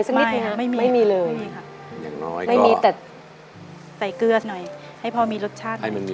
น้ำนาวเต้ารู้ไหมครับ